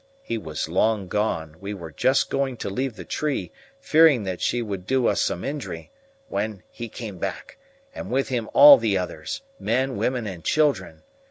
He was long gone; we were just going to leave the tree, fearing that she would do us some injury, when he came back, and with him all the others, men, women, and children.